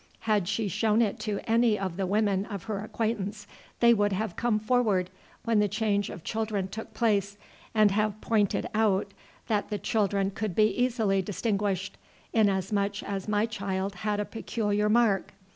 Had she shown it to any of the women of her acquaintance, they would have come forward when the change of children took place, and have pointed out that the children could be easily distinguished, inasmuch as my child had a peculiar mark.